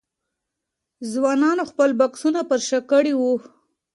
ځوانانو خپل بکسونه پر شا کړي وو.